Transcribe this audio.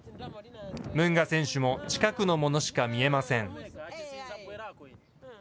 ムンガ選手も近くのものしか見えません。